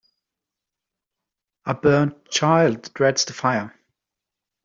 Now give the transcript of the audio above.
A burnt child dreads the fire.